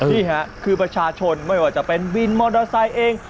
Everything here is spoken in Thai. นี่ค่ะคือประชาชนไม่ว่าจะเป็นวินมอเตอร์ไซค์เอง